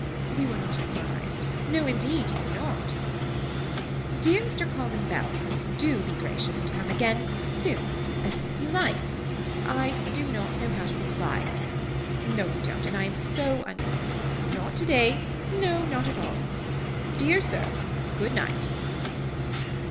We were not advised. No indeed you were not. Dear Mr. Colin Bell. Do be gracious and come again. Soon. As soon as you like. I do not know how to reply. No you don't and I am so uneasy. Not today. No not at all. Dear Sir. Good night.